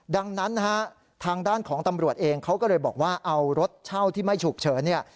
ดังนั้นนะฮะทางด้านของตำรวจเองเขาก็เลยบอกว่าเอารถเช่าที่ไม่ฉุกเฉินเนี่ย